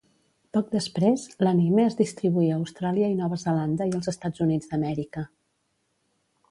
Poc després, l'anime es distribuí a Austràlia i Nova Zelanda i els Estats Units d'Amèrica.